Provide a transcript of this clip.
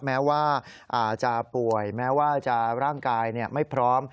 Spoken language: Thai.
แม้ว่าจะป่วยแม้ว่าร่างกายไม่พร้อม